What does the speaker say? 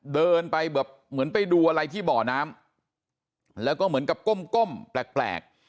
เดินไปแบบเหมือนไปดูอะไรที่บ่อน้ำแล้วก็เหมือนกับก้มแปลก